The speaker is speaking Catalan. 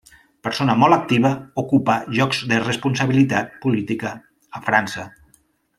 Persona molt activa, ocupà llocs de responsabilitat política a França.